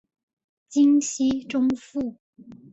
金熙宗父。